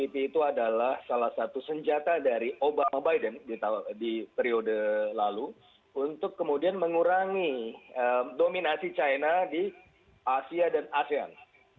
pertanyaan dari pertanyaan